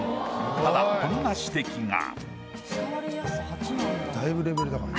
ただこんな指摘が。